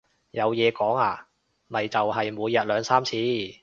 有講嘢啊，咪就係每日兩三次